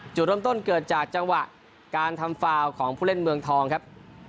จุดเริ่มต้นเกิดจากจังหวะการทำฟาวของผู้เล่นเมืองทองครับ